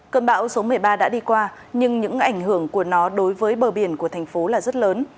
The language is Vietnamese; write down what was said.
cơn bão số một mươi ba đã đi qua nhưng những ảnh hưởng của nó đối với bờ biển của thành phố là rất lớn